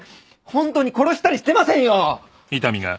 本当に殺したりしてませんよ！